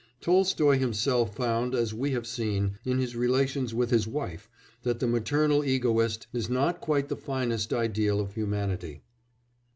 Tolstoy himself found, as we have seen, in his relations with his wife, that the maternal egoist is not quite the finest ideal of humanity.